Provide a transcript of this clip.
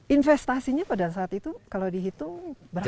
investasinya pada saat itu kalau dihitung berapa